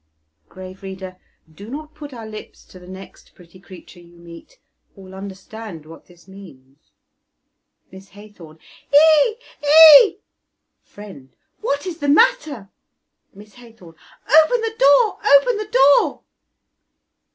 (Grave reader, do not put your lips to the next pretty creature you meet, or will understand what this means.) Miss Haythorn. Ee! Ee! Friend. What is the matter? Miss Haythorn. Open the door! Open the door!